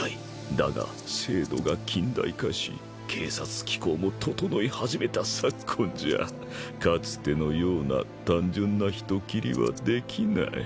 だが制度が近代化し警察機構も整い始めた昨今じゃかつてのような単純な人斬りはできない。